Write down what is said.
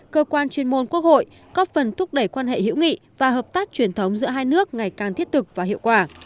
cơ quan chuyên môn quốc hội có phần thúc đẩy quan hệ hữu nghị và hợp tác truyền thống giữa hai nước ngày càng thiết thực và hiệu quả